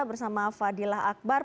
bersama fadilah akbar